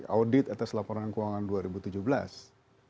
audit atas laporan yang telah dilakukan oleh pak asma wislam sebagai dirut